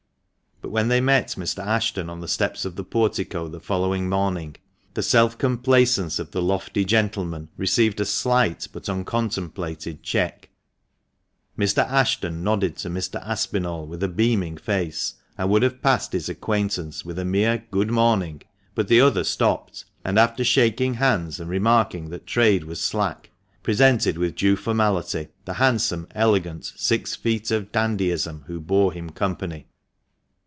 But when they met Mr. Ashton on the steps of the Portico the following morning; the self complacence of the lofty gentleman received a slight but uncontemplated check. Mr. Ashton nodded to Mr. Aspinall with a beaming face, and would have passed his acquaintance with a mere " Good morning," but the other stopped, and after shaking hands, and remarking that trade was slack, presented, with due formality, the handsome, elegant, six feet of dandyism who bore him company.